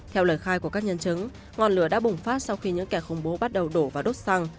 theo lời khai của các nhân chứng ngọn lửa đã bùng phát sau khi những kẻ khủng bố bắt đầu đổ và đốt xăng